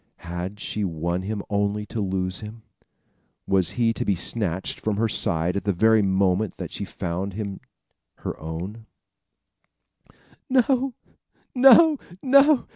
Had she won him only to lose him? Was he to be snatched from her side at the very moment that she found him her own? "No, no, no!